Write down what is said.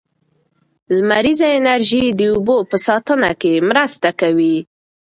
لمریزه انرژي د اوبو په ساتنه کې مرسته کوي.